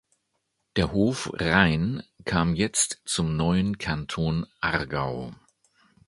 Der Hof Rein kam jetzt zum neuen Kanton Aargau.